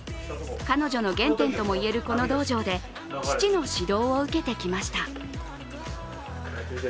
彼女の原点ともいえるこの道場で父の指導を受けてきました。